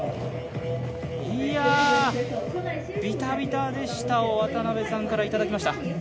いや、「ビタビタでした！」を渡辺さんからいただきました。